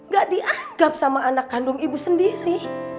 gak dianggap sama anak kandung ibu sendiri